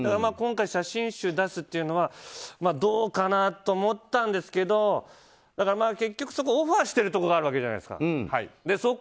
今回、写真集出すというのはどうかな？と思ったんですけど結局オファーしてるところがあるわけじゃないですか。